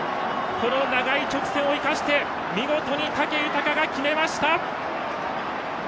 この長い直線を生かして見事に武豊が決めました！